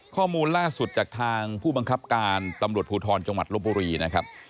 ข้อมูลล่าสุดจากทางผู้บังคับการตำรวจภูทรจังหวัดลบบุรีนะครับ